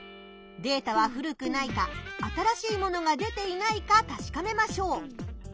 データは古くないか新しいものが出ていないかたしかめましょう。